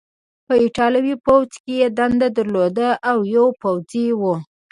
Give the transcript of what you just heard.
په ایټالوي پوځ کې یې دنده درلودله او یو پوځي و.